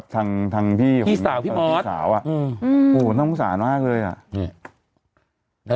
แต่ตอนนี้เค้าหายแล้วน่ะ